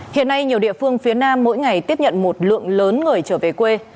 hiện nay nhiều địa phương phía nam mỗi ngày tiếp nhận một lượng lớn người trở về quê